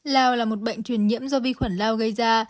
lao là một bệnh truyền nhiễm do vi khuẩn lao gây ra